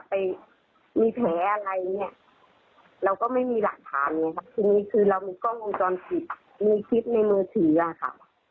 ทีนี้คือเรามีกล้องกลมจรผิดมีคลิปในมือถืออะครับ